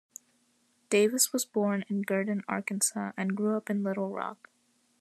Davis was born in Gurdon, Arkansas, and grew up in Little Rock.